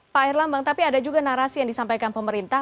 pak herlambang tapi ada juga narasi yang disampaikan pemerintah